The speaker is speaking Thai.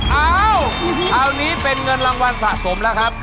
เอาคราวนี้เป็นเงินรางวัลสะสมแล้วครับ